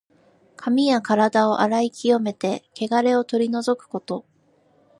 髪やからだを洗い清めて、けがれを取り除くこと。